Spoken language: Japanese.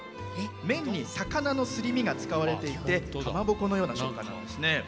麺に魚のすり身が使われていてかまぼこのような食感なんですね。